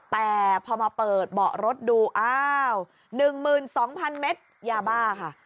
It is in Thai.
แต่พอมาเปิดเบาะรถดูอ้าวหนึ่งหมื่นสองพันเมตรยาบ้าค่ะ